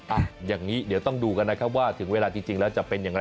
อ่ะอย่างนี้เดี๋ยวต้องดูกันนะครับว่าถึงเวลาจริงแล้วจะเป็นอย่างไร